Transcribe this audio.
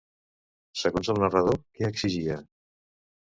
Segons el narrador, què exigia?